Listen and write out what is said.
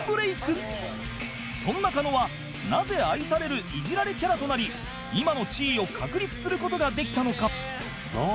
そんな狩野はなぜ愛されるイジられキャラとなり今の地位を確立する事ができたのか？